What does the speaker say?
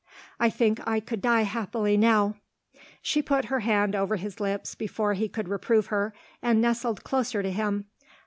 I think I could die happily now." She put her hand over his lips before he could reprove her, and nestled closer to him.